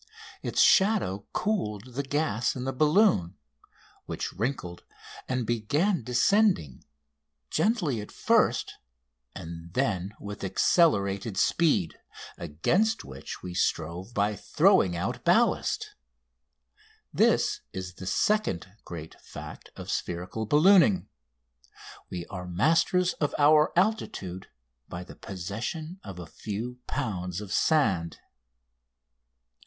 Its shadow cooled the gas in the balloon, which wrinkled and began descending, gently at first, and then with accelerated speed, against which we strove by throwing out ballast. This is the second great fact of spherical ballooning we are masters of our altitude by the possession of a few pounds of sand!